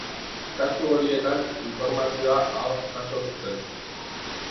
Kasu horietan, informazioa ahoz jaso zuten.